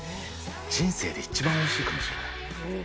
人生で一番おいしいかもしれない。